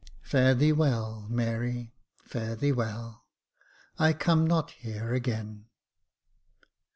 Fare thee well, Mary — fare thee well ! I come not here again."